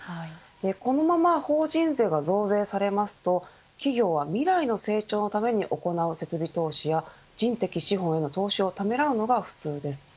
このまま法人税が増税されますと企業は未来の成長のために行う設備投資やの人的資本への投資をためらうのが普通です。